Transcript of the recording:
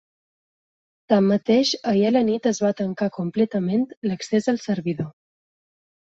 Tanmateix, ahir a la nit es va tancar completament l’accés al servidor.